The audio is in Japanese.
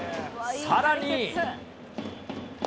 さらに。